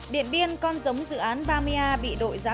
điện biên con giống dự án bamea bị đội giảm